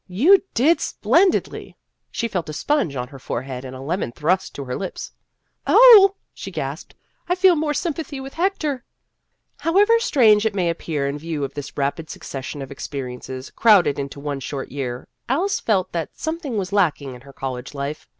" You did splendidly !" She felt a sponge on her forehead and a lemon thrust to her lips. " Oh," she gasped, " 1 feel more sympathy with Hector !" However strange it may appear in view of this rapid succession of experiences crowded into one short year, Alice felt that something was lacking in her college life.